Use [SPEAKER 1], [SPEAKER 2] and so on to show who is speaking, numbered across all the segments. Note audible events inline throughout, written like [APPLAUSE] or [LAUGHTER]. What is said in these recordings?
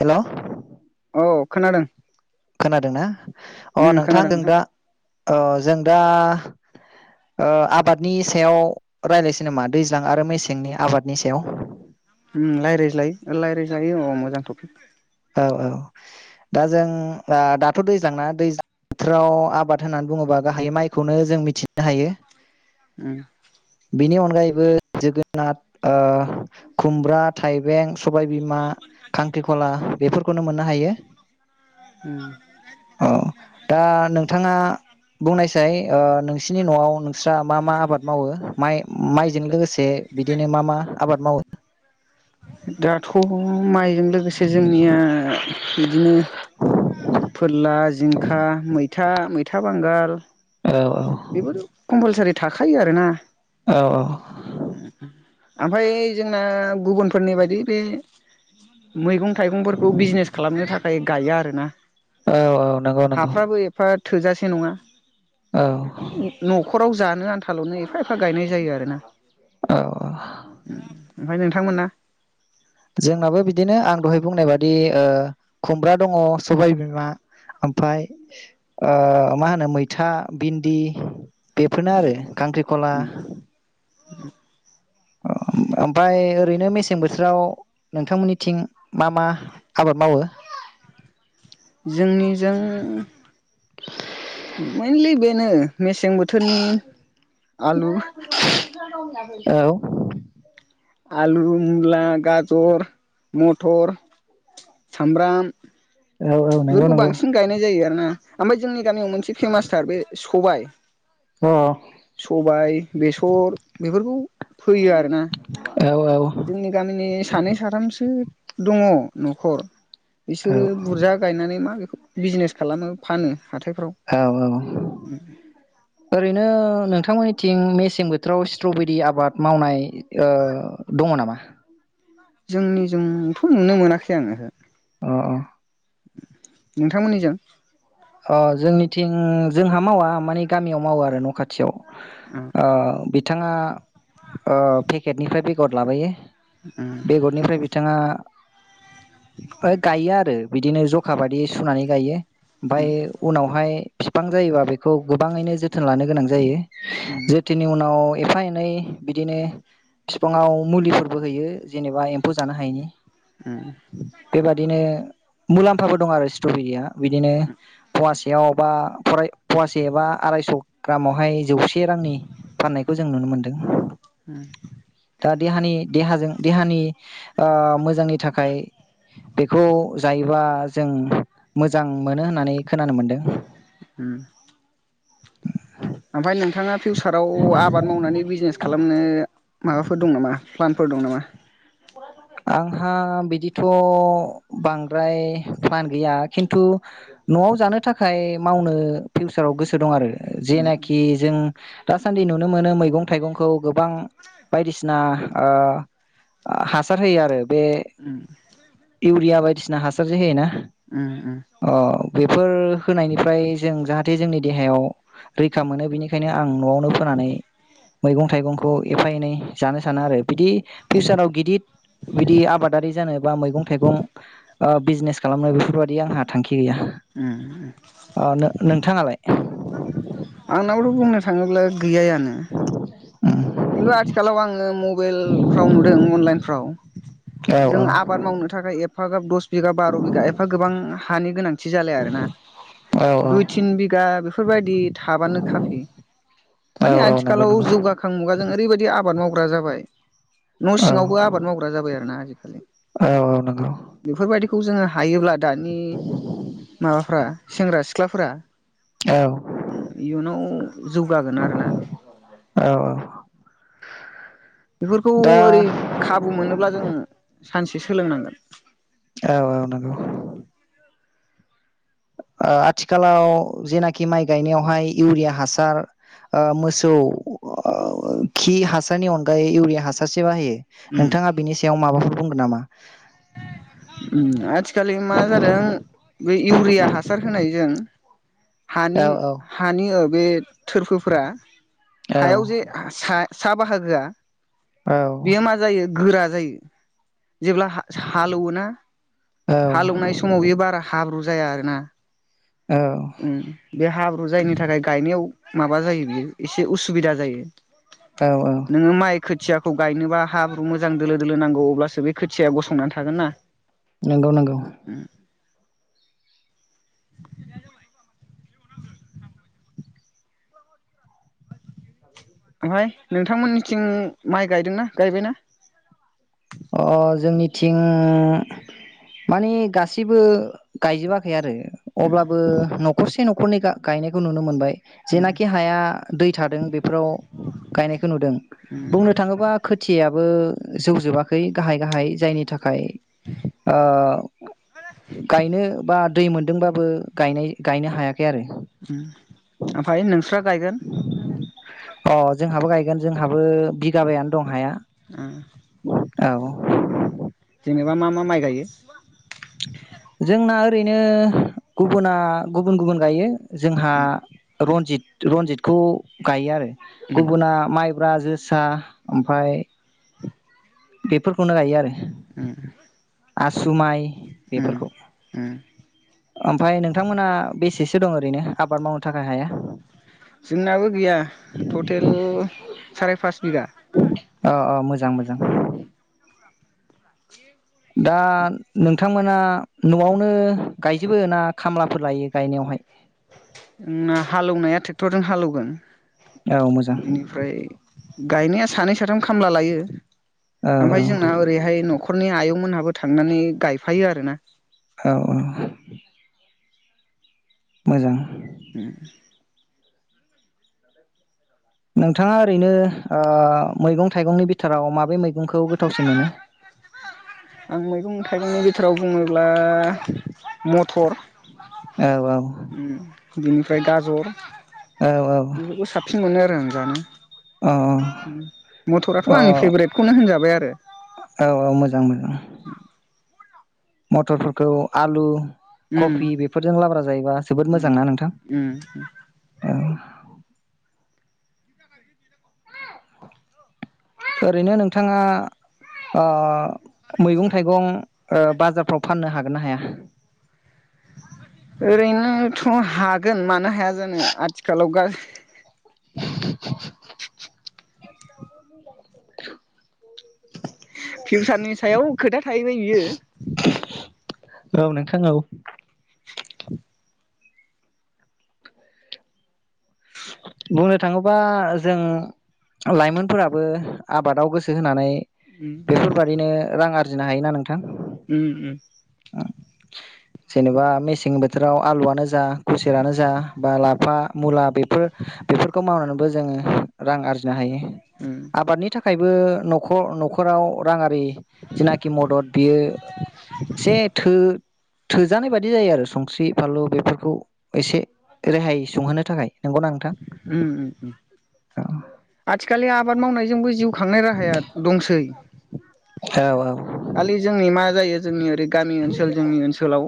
[SPEAKER 1] Hello
[SPEAKER 2] औ खोनादों
[SPEAKER 1] खोनादों ना अ
[SPEAKER 2] उम
[SPEAKER 1] नोंथां
[SPEAKER 2] खोनादों
[SPEAKER 1] नोंदा जों दा ओ आबादनि सायाव रायज्लायसै नामा दैज्लां आरो मेसेंनि आबादनि सायाव
[SPEAKER 2] रायज्लायलाय ओ रायज्लायज्लायो अ मोजां थफिक
[SPEAKER 1] औ औ दा जों दा दा थ' दैज्लांना दैज्लां बोथोराव आबाद होननानै बुङोबा गाहायै माइखौनो जों मिथिनो हायो
[SPEAKER 2] उम
[SPEAKER 1] बिनि अनगायैबो जोगोनार ओ खुमब्रा थाइबें सबायबिमा खांख्रिखला बेफोरखौनो मोननो हायो
[SPEAKER 2] [UNINTELLIGIBLE]
[SPEAKER 1] थांङा बुंनायसाय ओ नोंसिनि न'आव नोंस्रा मा मा आबाद मावो माइ माइजों लोगोसे से बिदिनो मा मा आबाद मावो
[SPEAKER 2] दाथ' माइजों लोगोसे जोंनिया बिदिनो फोरला जिं खा मैथा मैथा बांगाल
[SPEAKER 1] औ
[SPEAKER 2] बेफोरो कम्पालसारि थाखायो आरोना
[SPEAKER 1] औ
[SPEAKER 2] [UNINTELLIGIBLE] आमफाय जोंना गुबुनफोरनि बायदि बे मैगं थाइगंफोरखौ बिजनेस खालामनो थाखाय गाया आरोना
[SPEAKER 1] औ औ नंगौ नंगौ
[SPEAKER 2] हाफ्राबो एफा थोजासे नङा
[SPEAKER 1] औ
[SPEAKER 2] न'खराव जानो आनथाल'नो एफा एफा गायनाय जायो आरोना
[SPEAKER 1] औ
[SPEAKER 2] ओमफाय नोंथांमोना
[SPEAKER 1] जोंनाबो बिदिनो आं दहाय बुंनाय बादि ओ खुमब्रा दङ सबाय बिमा ओमफ्राय ओ मा होनो मैथा भिन्दि बेफोरनो आरो खांख्रिखला ओम ओमफाय ओरैनो मेसें बोथोराव नोंथांमोननिथिं मा मा आबाद मावो?
[SPEAKER 2] जोंनिजों मैइनलि बेनो मेसें बोथोरनि आलु
[SPEAKER 1] [UNINTELLIGIBLE] औ
[SPEAKER 2] आलु मुला गाजर मटर सामब्राम
[SPEAKER 1] औ औ नंगौ
[SPEAKER 2] बेफोरखौ
[SPEAKER 1] नंगौ
[SPEAKER 2] बांसिन गायनाय जायो आ नो ओमफाय जोंनि गामियाव मोनसे फेमासथार बे सबाइ
[SPEAKER 1] अ
[SPEAKER 2] सबाइ बेसर बेफोरखौ फोयो आरोना
[SPEAKER 1] औ औ
[SPEAKER 2] जोंनि गामिनि सानै साथामसो दङ' न'खर
[SPEAKER 1] औ
[SPEAKER 2] इसोरो बुरजा मा बेखौ बिजनेस खालामो फानो। हाथायफ्राव
[SPEAKER 1] औ औ ओरैनो नों थांमोननिथिं मेसें बोथोराव स्ट्र'बेरि आबाद मावनाय ओ दङ' नामा? [INAUDIBLE]
[SPEAKER 2] जोंनि जोंथ' नुनो मोनाखै आं ओहो।
[SPEAKER 1] अ अ
[SPEAKER 2] नोंथांमोननिजों
[SPEAKER 1] अ जोंनिथिं जोंहा मावा मानि गामियाव मावोआरो न' खाथियाव।
[SPEAKER 2] उम
[SPEAKER 1] ओ बि थाङा ओ पेकेटनिफ्राय बेगर लाबोयो।
[SPEAKER 2] उम
[SPEAKER 1] बेगरनिफ्राय बिथाङा ओ गायोआरो। बिदिनो ज'खा बादियै सुनानै गायो। ओमफाय उनावहाय फिफां जायोबा बेखौ गोबाङैनो जो थोन लानो गोनां जायो
[SPEAKER 2] उम
[SPEAKER 1] जोथोननि उनाव। एफा एनै बिदिनो फिफाङाव मुलिफोरबो होयो जेनेबा एम्फौ जानो हायिनि।
[SPEAKER 2] उम
[SPEAKER 1] बेबादिनो मुलाम्फाबो दंआरो स्ट्रबेरिया बिदिनो फुवासेयाव बा फराय फुवासे एबा आरायस' ग्रामावहाय जौसे रांनि फाननायखौ जों नुनो मोनदों
[SPEAKER 2] उम
[SPEAKER 1] दा देहानि देहाजों देहानि ओ मोजांनि थाखाय बेखौ जायोबा जों। मोजां मोनो होन नानै खोनानो मोनदों।
[SPEAKER 2] ओमफाय नोंथाङा फिउसाराव आबाद मावनानै बिजनेस खालामनो माबाफोर दं नामा प्लानफोर दं नामा?
[SPEAKER 1] आंहा बिदिथ' बांद्राय प्लान गैया खिन्थु न'आव जानो थाखाय मावनो फिउसाराव गोसो दं आरो। ओ
[SPEAKER 2] उम
[SPEAKER 1] जेनाखि जों। दासान्दि नुनो मोनो मैगं थाइगंखौ गोबां बायदिसिना ओ हा सार होयोआरो। बे
[SPEAKER 2] उम
[SPEAKER 1] इउरिया बाय बिदिसिना हासार जे होयोना।
[SPEAKER 2] उम उम
[SPEAKER 1] अ बेफोर होनायनिफ्राय जों जाहाथे जोंनि देहायाव [INAUDIBLE] रैखा मोनो बेनिखायनो आं न'आवनो फोनानै। मैगं थाइगंखौ एफा एनै जानो। सानो आरो बिदि फिउसाराव गिदिर। बिदि आबादारि जानो बा मैगं थाइगं बिजनेस खालामनो बेफोर बायदि आंहा थांखि। गैया
[SPEAKER 2] उम
[SPEAKER 1] अ नोंथाङालाय।
[SPEAKER 2] आंनाबोथ' बुंनो थाङोब्ला। गैयानो।
[SPEAKER 1] औ
[SPEAKER 2] खिन्थु आथिखालाव आङो मबाइलफ्राव नुदों अनलाइनफ्राव जों
[SPEAKER 1] औ
[SPEAKER 2] आबाद मावनो थाखाय एप एफाग्राब दस बिगा बार' बिगा एफा गोबां हानि गोनांथि जालाय आरोना
[SPEAKER 1] औ
[SPEAKER 2] दुइ तिन बिगा। बेफोरबायदि। थाबानो खाफै
[SPEAKER 1] औ
[SPEAKER 2] माने
[SPEAKER 1] औ नंगौ
[SPEAKER 2] आथिखालाव
[SPEAKER 1] नंगौ
[SPEAKER 2] जौगाखां। मुगाजों ओरैबायदि आबाद मावग्रा जाबाय। न'
[SPEAKER 1] औ
[SPEAKER 2] सिङावबो आबाद मावग्रा जाबाय आरोना आजि खालि।
[SPEAKER 1] औ औ नोंगौ।
[SPEAKER 2] खौ जोङो हायोब्ला दानि माबाफ्रा सेंग्रा सिख्लाफोरा।
[SPEAKER 1] औ
[SPEAKER 2] इयुनाव। जौगागोन आरोना।
[SPEAKER 1] औ औ
[SPEAKER 2] बेफोरखौ
[SPEAKER 1] दा
[SPEAKER 2] ओरै खाबु मोनोब्ला जोङो। सानसे सोलोंनांगोन।
[SPEAKER 1] औ औ नोंगौ। ओ आथिखालाव जेनाखि माइ गायनायावहाय इउरिया हासार ओ मोसौ ओ खि हासारनि अनगायै इउरिया हासारसो बाहायो।
[SPEAKER 2] उम
[SPEAKER 1] नोंथाङा बिनि सायाव माबाफोर बुंगोन नामा?
[SPEAKER 2] आथिखालनि मा जादों बे इउरिया हासार होनायजों हानि
[SPEAKER 1] औ
[SPEAKER 2] हानि ओ बे थोरफोफोरा हायाव जे सा सा बाहागोआ
[SPEAKER 1] औ
[SPEAKER 2] बेयो मा जायो गोरा जायो जेब्ला हा हालौवोना
[SPEAKER 1] औ
[SPEAKER 2] हालौनाय समाव बेयो बारा हाब्रु जाया आरो ना। उम बे हाब्रु जायनि थाखाय गायनायाव माबा जायो बियो एसे उसुबिदा जायो।
[SPEAKER 1] औ औ
[SPEAKER 2] नोङो माइ खोथिया खौ गायनोबा हाब्रु मोजां दोलो दोलो नांगौ अब्लासो बे खोथिया गसंनानै थागोन ना।
[SPEAKER 1] नोंगौ नोंगौ।
[SPEAKER 2] [UNINTELLIGIBLE] ओमफाय नोंथांमोननिथिं माइ गायदोंना गायबायना?
[SPEAKER 1] अ' जोंनिथिं मानि गासैबो गायजोबाखै आरो। अब्लाबो न'खरसे न' न'खरनै गा-गायनायखौ नुनो मोनबाय। जेनाखि हाया दै थादों बेफोराव गायनायखौ नुदों बुंनो थाङोबा खोथियाया बो जौजोबा खै गाहाय गाहाय जायनि था खाय ओ गायनो बा दै मोनदोंबाबो गायनाय गायनो हायाखै आरो।
[SPEAKER 2] उम ओमफाय नोंस्रा गायगोन?
[SPEAKER 1] अ' जोंहाबो गायगोन जोंहाबो बिगाबायानो दं हाया।
[SPEAKER 2] उम।
[SPEAKER 1] औ।
[SPEAKER 2] जेनेबा मा मा माइ गायो?
[SPEAKER 1] जोंना ओरैनो ओ गुबुना गुबुन गुबुन गायो। जोंहा रन्जित रनजितखौ गायो आरो। गुबुना माइ ब्रा जोसा ओमफ्राय बेफोरखौनो गायो आरो।
[SPEAKER 2] ओम।
[SPEAKER 1] आसु माइ। बेफोरखौनो ओमफ्राय नोंथांमोना बेसेसो दं ओरैनो? आबाद मावनो थाखाय हाया।
[SPEAKER 2] जोंनाबो गैया टटेल साराय पास बिगा।
[SPEAKER 1] अ मोजां मोजां दा नोंथांमोना न'आवनो गायजोबो ना खामलाफोर लायो गायनायावहाय?
[SPEAKER 2] जोंना हालौवनाया ट्रेक्टरजों हालेवगोन
[SPEAKER 1] औ मोजां
[SPEAKER 2] बेनिफ्राय गायनाया सानै सो साथाम खामला लायो।
[SPEAKER 1] औ
[SPEAKER 2] ओमफ्राय जोंना ओरैहाय न'खर न'खरनि आयं मोनहाबो थांनानै गायफायो आरो ना।
[SPEAKER 1] औ औ। मोजां।
[SPEAKER 2] उम
[SPEAKER 1] नोंथांङा ओरैनो ओ मैगं थाइगंनि बिथोराव माबे मैगंखौ गोथावसिन मोनो?
[SPEAKER 2] आं मैगं थाइगंनि बिथोराव बुङोब्ला म थर
[SPEAKER 1] औ औ
[SPEAKER 2] ओम ओम। ओमफ्राय गाजर।
[SPEAKER 1] औ
[SPEAKER 2] बेफोरखौ साबसिन मोनो आरो आंङो। जानो।
[SPEAKER 1] अ
[SPEAKER 2] मटराथ'
[SPEAKER 1] अ
[SPEAKER 2] आंनि फेभरेटखौनो होनजाबाय आरो।
[SPEAKER 1] औ औ मथरफोरखौ आलु
[SPEAKER 2] उम
[SPEAKER 1] कफि बेफोरजों लाब्रा जायोबा जोबोद
[SPEAKER 2] उम
[SPEAKER 1] मोजांना नोंथां?
[SPEAKER 2] उम
[SPEAKER 1] औ। ओरैनो नोंथांङा ओ मैगं थाइगं ओ बाजारफोराव फाननो हागोन ना हाया?
[SPEAKER 2] ओरैनो थ' हागोन मानो हाया जानो आथिखालाव गा
[SPEAKER 1] [INAUDIBLE]
[SPEAKER 2] [INAUDIBLE]
[SPEAKER 1] [INAUDIBLE]
[SPEAKER 2] फिउचारनि सायाव खोथा थाहैबाय बियो।
[SPEAKER 1] औ नोंथां औ।
[SPEAKER 2] [INAUDIBLE]
[SPEAKER 1] बुंनो थांङोबा जों लाइमोनफोराबो आबादाव गोसो होनानै
[SPEAKER 2] उम
[SPEAKER 1] बेफोरबायादिनो रां आर जिनो हायोना नोंथां।
[SPEAKER 2] उम उम।
[SPEAKER 1] जेनेबा मेसें बोथोराव आलुआनो जा खुसेरानो जा बा लाफा मुला बेफोर बेफोरखौ मावनानैबो जों रां आरजिनो हायो।
[SPEAKER 2] उम
[SPEAKER 1] आबादनि थाखाय बो न'खर न'खराव रांङा जेनाखि मदद बियो एसे थो थोजानाय बायदि जायो आरो संख्रि फानलु बेफोरखौ एसे रेहाय सुंहोनो थाखाय नंगौना। नोंथां
[SPEAKER 2] उम उम उम आथिखालनि आबाद मावनायजोंबो जिउ खांनाय राहाया दंसै।
[SPEAKER 1] औ
[SPEAKER 2] खालि जोंनि मा जायो जोंनि ओरै गामि ओनसोल जोंनि ओनसोलाव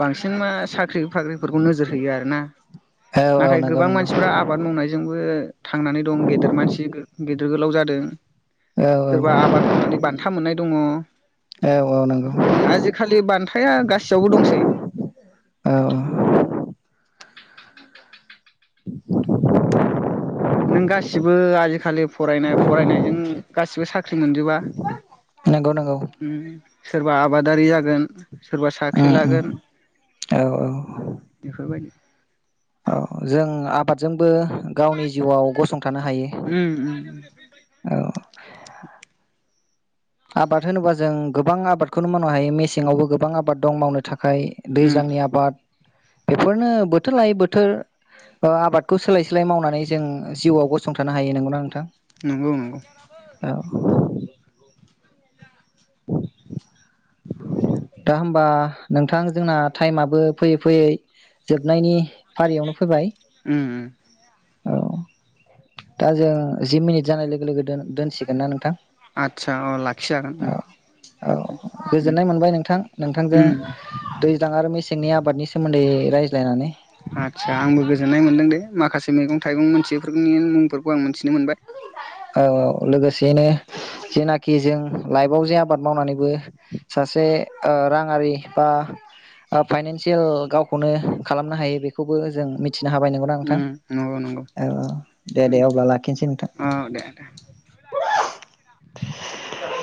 [SPEAKER 2] बांसिन मा साख्रि बाख्रिफोरखौ नोजोर होयो आरोना
[SPEAKER 1] औ औ
[SPEAKER 2] नाथाय
[SPEAKER 1] नंगौ
[SPEAKER 2] गोबां
[SPEAKER 1] नंगौ
[SPEAKER 2] मानसिफ्रा आबाद मावनायजोंबो थांनानै दं गेदेर मानसि गोलाव जादों।
[SPEAKER 1] औ
[SPEAKER 2] सोरबा आबाद मावनानै बान्था मोननाय दङ।
[SPEAKER 1] औ औ नंगौ
[SPEAKER 2] बेफोरबायदि आजिखालि बान्थाया गासियावबो दंसै।
[SPEAKER 1] औ औ [UNINTELLIGIBLE]
[SPEAKER 2] नों गासिबो आजिखालि फरायनाय फरायनायजों गासिबो साख्रि मोनजोबा
[SPEAKER 1] नंगौ नंगौ
[SPEAKER 2] उम सोर बा आबादारि जागोन सोरबा साख्रि
[SPEAKER 1] उम उम
[SPEAKER 2] लागोन
[SPEAKER 1] औ औ
[SPEAKER 2] बेफोरबायदि
[SPEAKER 1] औ जों आबादजोंबो गावनि जिउआव गसं
[SPEAKER 2] उम उम [INAUDIBLE]
[SPEAKER 1] औ आबाद होनोबा जों गोबां आबादखौनो मावनो हायो मेसेंआवबो गोबां आबाद दं मावनो थाखाय खाय
[SPEAKER 2] उम
[SPEAKER 1] दैज्लांनि आबाद बेफोरनो बोथोर लायै बोथोर आबादखौ सोलाय सोलाय मावनानै जों जिउआव गसंथानो हायो नंगौना नोंथां।
[SPEAKER 2] नंगौ नंगौ।
[SPEAKER 1] औ [INAUDIBLE] दा होमबा नोंथां जोंना टाइमाबो फैयै फैयै जोबनायनि फारियावनो फैबाय।
[SPEAKER 2] उम उम।
[SPEAKER 1] औ दा जों जि मिनिट जानाय लोगो लोगो दोनसिगोन ना नोंथां?
[SPEAKER 2] आदसा अ लाखिजागोन।
[SPEAKER 1] औ गोजोननाय मोनबाय नोंथां जोंनि आबादनि सोमोन्दै रायज्लायनानै
[SPEAKER 2] आदसा आंबो गोजोननाय मोन्दों दे माखासे मैगं थाइगं मोनथियिफोरनि मुंफोरखौ आं मिथिनो मोनबाय
[SPEAKER 1] औ लोगोसेयैनो जेनाखि जों लाइफआव जे आबाद मावनानैबो सासे ओ राङारि ओ बा फाइनन्सियेल गावखौनो खालामनो हायो बेखौबो जों मिथि मिथिनो हाबाय नंगौनाा
[SPEAKER 2] उम
[SPEAKER 1] नोंथां।
[SPEAKER 2] नंगौ नंगौ
[SPEAKER 1] औ दे दे
[SPEAKER 2] उम
[SPEAKER 1] अब्ला लाखिनोसै नोंथां।
[SPEAKER 2] [INAUDIBLE]